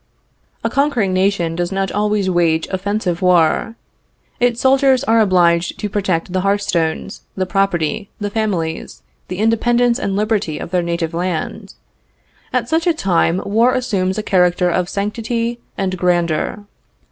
A conquering nation does not always wage offensive war. Its soldiers are obliged to protect the hearthstones, the property, the families, the independence and liberty of their native land. At such a time war assumes a character of sanctity and grandeur.